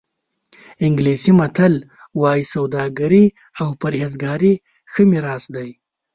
انګلیسي متل وایي سوداګري او پرهېزګاري ښه میراث دی.